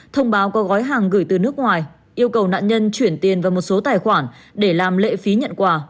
thông báo có gói hàng gửi từ nước ngoài yêu cầu nạn nhân chuyển tiền vào một số tài khoản để làm lệ phí nhận quà